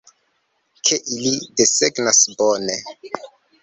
Ke ili desegnas, bone.